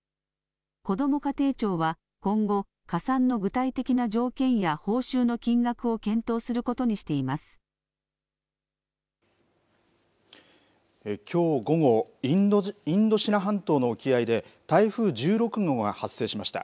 こども家庭庁は今後、加算の具体的な条件や報酬の金額を検討するきょう午後、インドシナ半島の沖合で、台風１６号が発生しました。